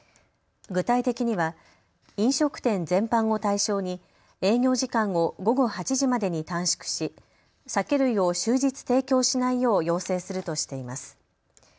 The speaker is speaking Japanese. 具体的には、飲食店全般を対象に営業時間を午後８時までに短縮し酒類を終日提供しないよう要請するとしています。